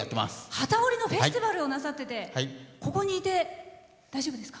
機織りのフェスティバルをなさっててここにいて、大丈夫ですか？